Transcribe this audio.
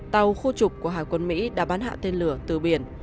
tàu khu trục của hải quân mỹ đã bắn hạ tiên lửa từ biển